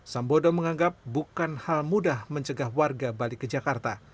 sambodo menganggap bukan hal mudah mencegah warga balik ke jakarta